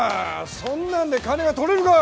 そんなんで金が取れるか。